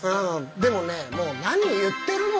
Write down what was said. でもねもう何を言ってるのと！